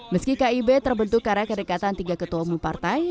meski kib terbentuk karena kedekatan tiga ketua umum partai